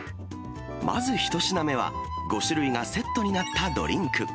まず１品目は、５種類がセットになったドリンク。